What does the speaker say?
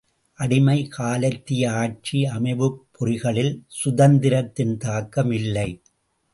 அடிமை காலத்திய ஆட்சி அமைவுப் பொறிகளில் சுதந்திரத்தின் தாக்கம் இல்லை.